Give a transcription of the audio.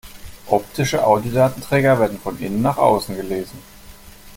Optische Audiodatenträger werden von innen nach außen gelesen.